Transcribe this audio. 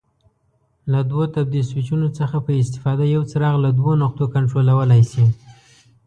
له دوو تبدیل سویچونو څخه په استفاده یو څراغ له دوو نقطو کنټرولولای شي.